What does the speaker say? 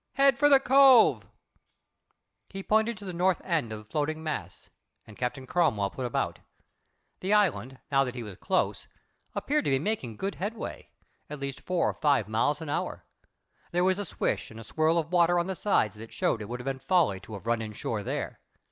Head for the cove." He pointed to the north end of the floating mass, and Captain Cromwell put about. The island, now that he was close, appeared to be making good headway at least four or five miles an hour. There was a swish and a swirl of water on the sides that showed it would have been folly to have run in shore there.